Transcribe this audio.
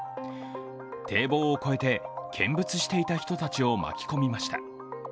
堤防を越えて見物していた人たちを巻き込みました。